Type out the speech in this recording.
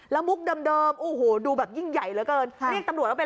แล้วมุกเดิมโอ้โหดูแบบยิ่งใหญ่เหลือเกินเรียกตำรวจว่าเป็น